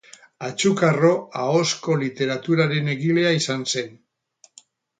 Atxukarro ahozko literaturaren egilea izan zen.